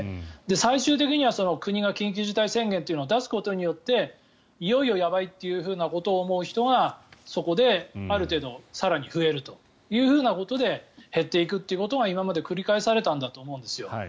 最終的には国が緊急事態宣言を出すことによっていよいよやばいということを思う人がそこである程度更に増えるというふうなことで減っていくっていうことが今まで繰り返されたんだと思うんですよ。